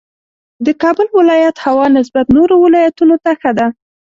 د کابل ولایت هوا نسبت نورو ولایتونو ته ښه ده